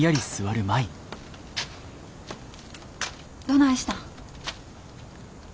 どないしたん。